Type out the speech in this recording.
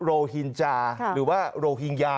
ฮินจาหรือว่าโรฮิงญา